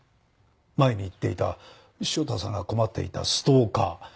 前に言っていた汐田さんが困っていたストーカー。